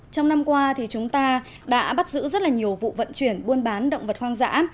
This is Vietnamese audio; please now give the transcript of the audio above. trong năm qua thì chúng ta đã bắt giữ rất là nhiều vụ vận chuyển buôn bán động vật hoang dã